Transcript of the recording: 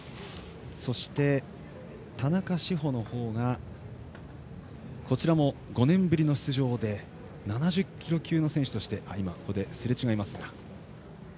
そして、田中志歩のほうがこちらも５年ぶりの出場で７０キロ級の選手として。